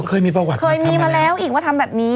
เคยมีประวัติมาทำแบบนี้เคยมีมาแล้วอีกว่าทำแบบนี้